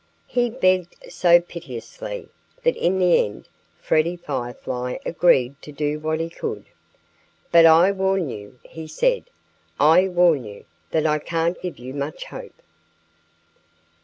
He begged so piteously that in the end Freddie Firefly agreed to do what he could. "But I warn you " he said "I warn you that I can't give you much hope."